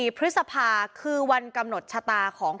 คุณวราวุฒิศิลปะอาชาหัวหน้าภักดิ์ชาติไทยพัฒนา